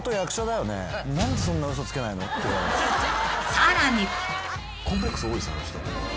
［さらに］